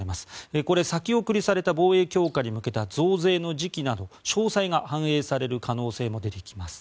これ、先送りされた防衛強化に向けた増税の時期など詳細が反映される可能性も出てきます。